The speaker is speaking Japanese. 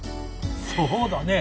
そうだね。